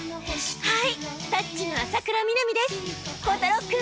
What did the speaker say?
はい！